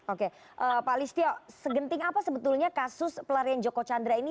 oke pak listio segenting apa sebetulnya kasus pelarian joko chandra ini